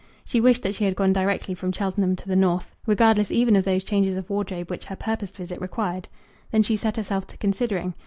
She wished that she had gone directly from Cheltenham to the North, regardless even of those changes of wardrobe which her purposed visit required. Then she set herself to considering.